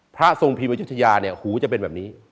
พระทรงพีมอายุทยาเนี่ยหูจะเป็นแบบนี้